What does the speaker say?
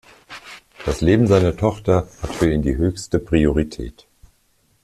Das Leben seiner Tochter hat für ihn die höchste Priorität.